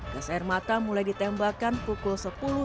gas air mata mulai ditembakan pukul sepuluh delapan lima puluh sembilan